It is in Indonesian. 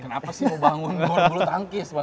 kenapa sih mau bangun gor dulu tangkis mas